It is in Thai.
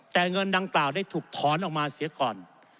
แต่เงินดังกล่าวได้ถูกถอนออกมาเสียก่อน